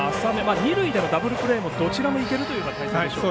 二塁でのダブルプレーどちらもいけるという感じでしょうか。